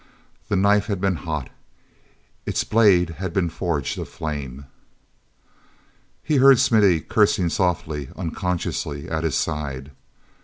The knife had been hot—its blade had been forged of flame! He heard Smithy cursing softly, unconsciously, at his side.